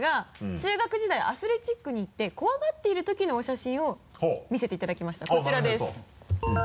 中学時代アスレチックに行って怖がっているときのお写真を見せていただきましたこちらです